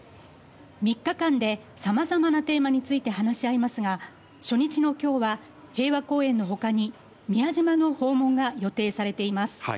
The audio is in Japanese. ３日間でさまざまなテーマについて話し合いますが、初日の今日は平和公園の他に宮島の訪問が予定されています。